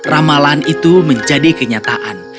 ramalan itu menjadi kenyataan